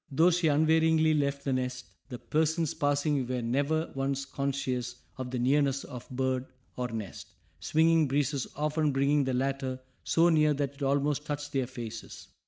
Though she unvaryingly left the nest, the persons passing were never once conscious of the nearness of bird or nest, swinging breezes often bringing the latter so near that it almost touched their faces.